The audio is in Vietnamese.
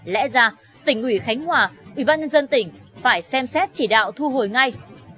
lẽ ra tỉnh ủy khánh hòa ủy ban nhân dân tỉnh phải xem xét chỉ đạo thu hồi ngay